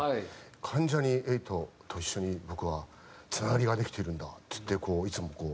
「関ジャニ∞と一緒に僕はつながりができてるんだ」っつっていつもこう。